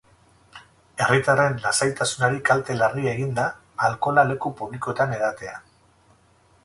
Herritarren lasaitasunari kalte larria eginda, alkohola leku publikoetan edatea.